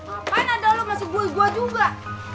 apaan ada lu masih gue gue juga